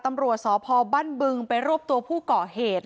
ตำรวจสอธิบายเขาการบั้นบึงไปรบตัวผู้เกาะเหตุ